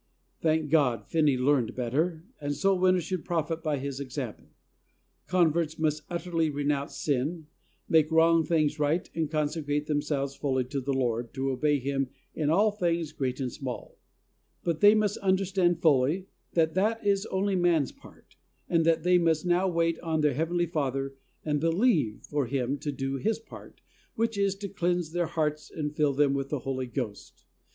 Thank God, Finney learned better, and soul winners should profit by his example. Converts must utterly renounce sin, make KEEPING THE FLOCK. 125 wrong things right and consecrate them selves fully to the Lord to obey Him in all things great and small; but they must understand fully that that is only man's part, and that they must now wait on their Heavenly Father and believe for Him to do His part, which is to cleanse their hearts and fill them with the Holy Ghost.